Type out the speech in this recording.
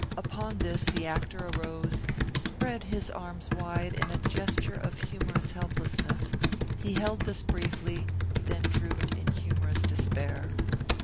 Upon this the actor arose, spread his arms wide in a gesture of humorous helplessness. He held this briefly, then drooped in humorous despair.